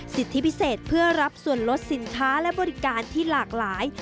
สิทธิพิเศษเพื่อรับส่วนลดสินค้าและบริการที่หลากหลาย